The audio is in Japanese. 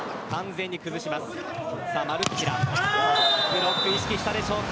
ブロック、意識したでしょうか。